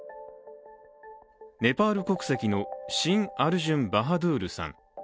ネパール国籍の、シン・アルジュン・バハドゥールさん。